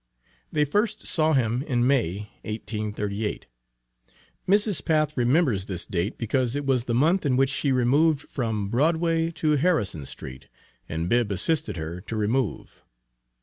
They first saw him in May, 1838. Mrs. Path remembers this date because it was the month in which she removed from Broadway to Harrison street, and Bibb assisted her to remove.